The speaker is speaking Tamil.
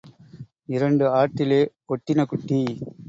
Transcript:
இரண்டு ஆட்டிலே ஒட்டின குட்டி.